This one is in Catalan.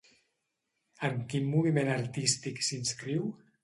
En quin moviment artístic s'inscriu?